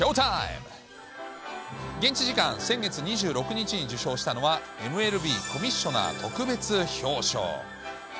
現地時間先月２６日に受賞したのはＮＬＢコミッショナー特別表彰。